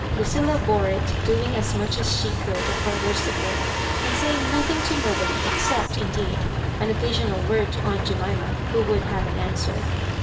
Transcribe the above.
Ludlla bore it, doing as much as she could of her worsted wor^ and saying nothing to nobody, except, indeed, an occasional word to aunt Jemima, who would have an answer.